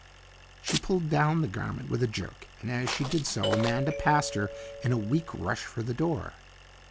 She pulled down the garment with a jerk, and as she did so Amanda passed her in a weak rush for the door.